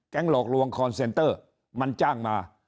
หลอกลวงคอนเซนเตอร์มันจ้างมา